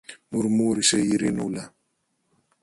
μουρμούρισε η Ειρηνούλα.